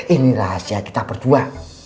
ini rahasia kita berdua